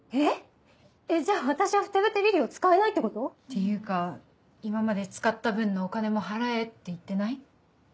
えっ⁉じゃあ私は「ふてぶてリリイ」を使えないってこと？っていうか「今まで使った分のお金も払え」って言ってない？